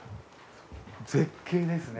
絶景ですね。